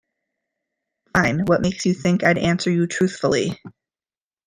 Fine, what makes you think I'd answer you truthfully?